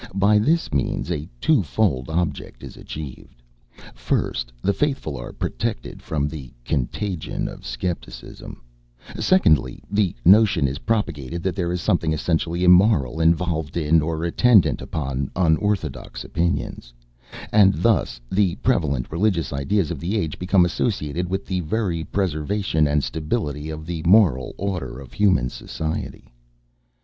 By this means a twofold object is achieved; first, the faithful are protected from the contagion of scepticism; secondly, the notion is propagated that there is something essentially immoral involved in, or attendant upon, unorthodox opinions; and thus the prevalent religious ideas of the age become associated with the very preservation and stability of the moral order of human society.